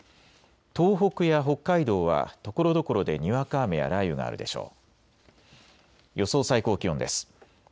東北や北海道はところどころでにわか雨や雷雨があるでしょう。